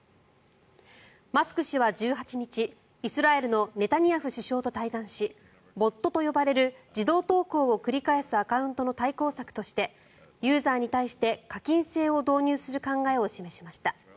マスク氏は１８日イスラエルのネタニヤフ首相と対談しボットと呼ばれる自動投稿を繰り返すアカウントの対抗策としてユーザーに対して課金制を導入する考えを示しました。